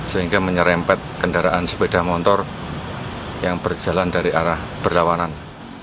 sehingga menyerempet kendaraan sepeda motor yang berjalan dari arah berlawanan